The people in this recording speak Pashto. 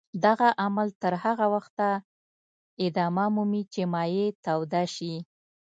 دغه عمل تر هغه وخته ادامه مومي چې مایع توده شي.